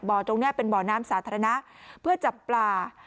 ตรงนี้เป็นบ่อน้ำสาธารณะเพื่อจับปลา